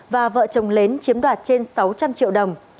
và vợ chồng lớn chiếm đoạt trên sáu trăm linh triệu đồng